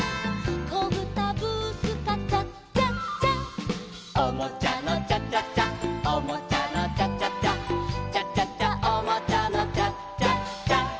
「こぶたブースカチャチャチャ」「おもちゃのチャチャチャおもちゃのチャチャチャ」「チャチャチャおもちゃのチャチャチャ」